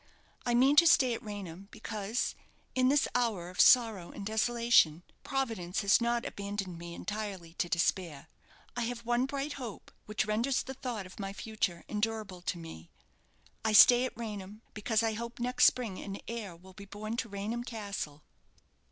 I mean to stay at Raynham, because, in this hour of sorrow and desolation, Providence has not abandoned me entirely to despair. I have one bright hope, which renders the thought of my future endurable to me. I stay at Raynham, because I hope next spring an heir will be born to Raynham Castle."